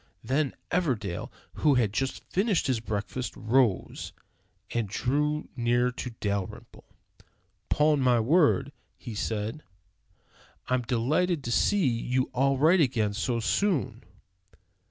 Then Everdell, who had just finished his breakfast, rose and drew near to Dalrymple. "'Pon my word," he said, "I'm delighted to see you all right again so soon."